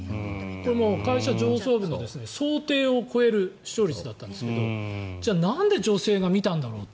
会社上層部の想定を超える視聴率だったんですがじゃあなんで女性が見たんだろう。